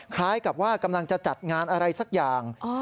คล้ายกับว่ากำลังจะจัดงานอะไรสักอย่าง